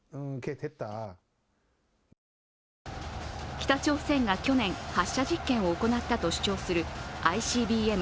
北朝鮮が去年、発射事件を行ったと主張するＩＣＢＭ